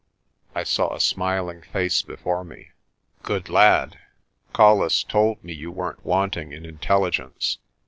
I saw a smiling face before me. "Good lad. Colles told me you weren't wanting in in telligence.